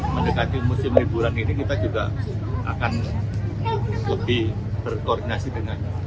mendekati musim liburan ini kita juga akan lebih berkoordinasi dengan